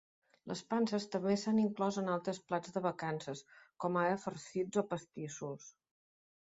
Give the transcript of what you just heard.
Les panses també s'han inclòs en altres plats de vacances, com ara farcits o pastissos.